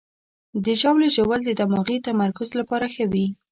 د ژاولې ژوول د دماغي تمرکز لپاره ښه وي.